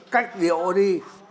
cách điệu đi